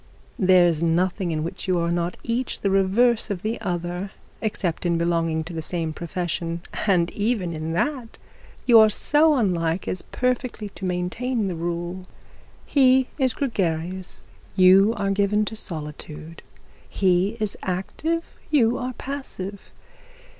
'There is nothing in which you are not each the reverse of the other, except in belonging to the same profession; and even in that you are so unlike as perfectly to maintain the rule. He is gregarious, you are given to solitude. He is active, you are passive.